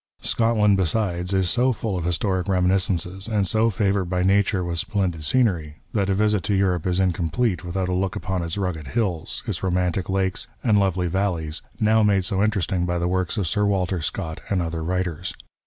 Scotland besides i3 so full of historic reminiscences, and so favoured by nature with splendid scenery, that a visit to Europe is incomplete without a look upon its rugged hills, its romantic lakes and lovely valleys, now made so interesting Vlll PREFACE. by the works of Sir Walter Scott and other writers.